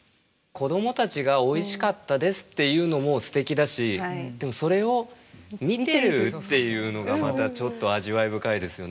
子どもたちがおいしかったですっていうのもすてきだしそれを見てるっていうのがまたちょっと味わい深いですよね。